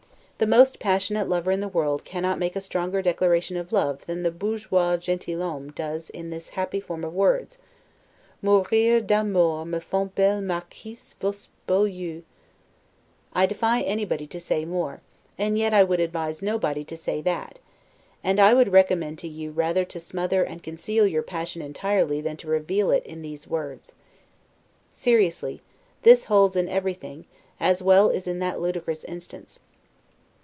The most passionate lover in the world cannot make a stronger declaration of love than the 'Bourgeois gentilhomme' does in this happy form of words, 'Mourir d'amour me font belle Marquise vos beaux yeux'. I defy anybody to say more; and yet I would advise nobody to say that, and I would recommend to you rather to smother and conceal your passion entirely than to reveal it in these words. Seriously, this holds in everything, as well as in that ludicrous instance.